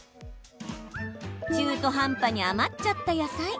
中途半端に余っちゃった野菜。